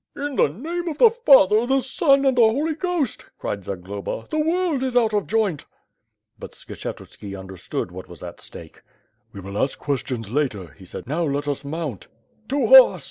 "In the name of the Father, the Son and the Holy Ghost!" cried Zagloba, "The world is out of joint." But Skshetuski understood what was at stake. "We will ask questions later,' 'he said, "now let us mount." "To horse!